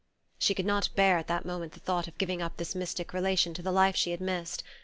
She could not bear, at that moment, the thought of giving up this mystic relation to the life she had missed.